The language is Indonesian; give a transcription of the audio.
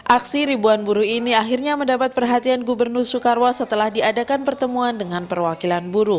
aksi ribuan buruh ini akhirnya mendapat perhatian gubernur soekarwo setelah diadakan pertemuan dengan perwakilan buruh